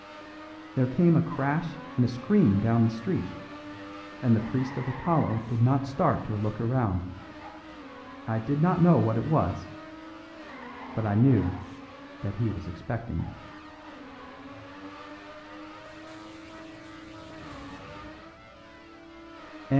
There came a crash and a scream down the street, and the priest of Apollo did not start or look round. I did not know what it was. But I knew that he was expecting it."